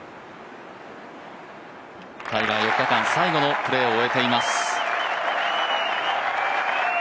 タイガー、４日間最後のプレーを終えています